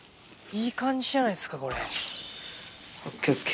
いい感じじゃないですかこれ。